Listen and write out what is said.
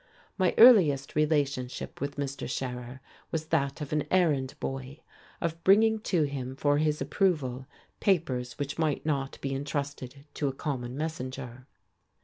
My earliest relationship with Mr. Scherer was that of an errand boy, of bringing to him for his approval papers which might not be intrusted to a common messenger.